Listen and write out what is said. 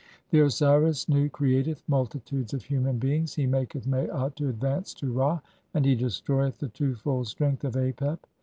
The Osiris Nu (17) createth "multitudes of human beings, he maketh Maat to advance to "Ra, and he destroyeth the two fold strength of Apep.